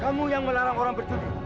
kamu yang melarang orang bercuri